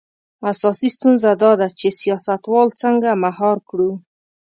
اساسي ستونزه دا ده چې سیاستوال څنګه مهار کړو.